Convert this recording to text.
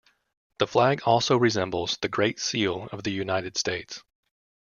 The flag also resembles the Great Seal of the United States.